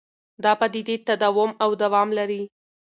دا پدیدې تداوم او دوام لري.